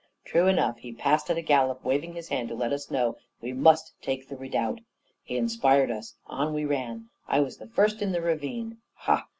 True enough; he passed at a gallop, waving his hand to let us know we must take the redoubt. He inspired us; on we ran; I was the first in the ravine. Ha!